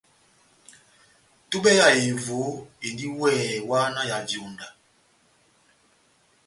Túbɛ ya ehevo endi weeeh wáhá na ya vyonda.